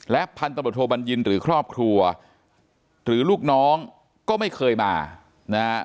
พันธบทโทบัญญินหรือครอบครัวหรือลูกน้องก็ไม่เคยมานะฮะ